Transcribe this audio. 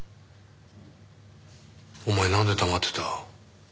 お前なんで黙ってた？